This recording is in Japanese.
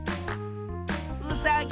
うさぎ。